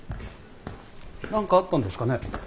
何かあったんですかね？